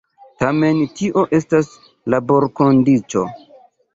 Tamen tio estas laborkondiĉo.